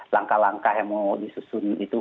langkah langkah yang mau disusun itu